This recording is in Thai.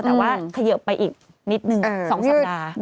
แต่ว่าเขยิบไปอีกนิดนึง๒สัปดาห์